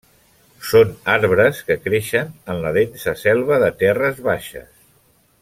Són arbres que creixen en la densa selva de terres baixes.